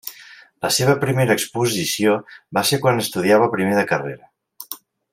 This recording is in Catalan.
La seva primera exposició va ser quan estudiava primer de carrera.